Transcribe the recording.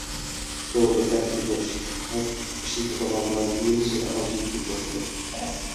سودا بەكلا بوش، ھاك ئىشلىتىدىغانلار يىلسېرى ئازىيىپ كېتىۋاتىدۇ.